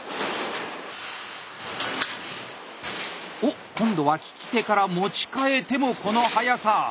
おっ今度は利き手から持ち変えてもこの速さ。